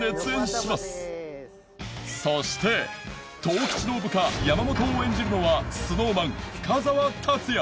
そして十吉の部下山本を演じるのは ＳｎｏｗＭａｎ 深澤辰哉